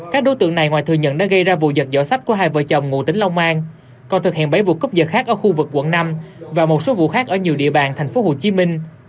các đối tượng này ngoài thừa nhận đã gây ra vụ giật giỏ sách của hai vợ chồng ngụ tỉnh long an còn thực hiện bảy vụ cướp dật khác ở khu vực quận năm và một số vụ khác ở nhiều địa bàn thành phố hồ chí minh